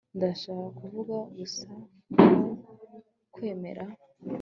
Ndashaka kuvuga gusa ko nkwemera